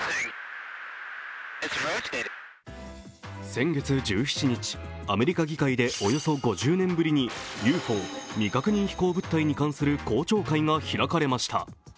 先月１７日、アメリカ議会でおよそ５０年ぶりにＵＦＯ＝未確認飛行物体に関する公聴会が開かれました。